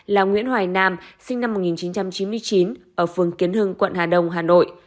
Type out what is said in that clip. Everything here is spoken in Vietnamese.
là nguyễn hoài nam sinh năm một nghìn chín trăm chín mươi chín ở phường kiến hưng quận hà đông hà nội